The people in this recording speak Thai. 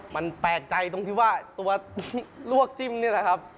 มันแปลกใจตรงที่ว่าตัวลวกจิ้มนี่แหละครับ